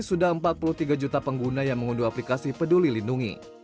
sudah empat puluh tiga juta pengguna yang mengunduh aplikasi peduli lindungi